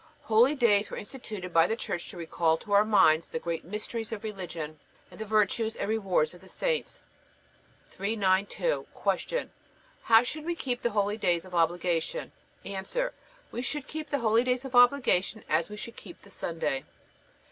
Holydays were instituted by the Church to recall to our minds the great mysteries of religion and the virtues and rewards of the saints. 392. Q. How should we keep the holydays of obligation? A. We should keep the holydays of obligation as we should keep the Sunday.